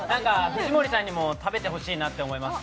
藤森さんにも食べてほしいなって思います。